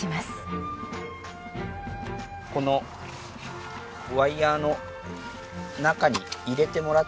このワイヤの中に入れてもらって。